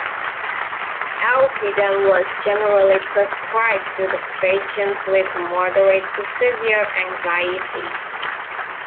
Alpidem was generally prescribed to patients with moderate-to-severe anxiety.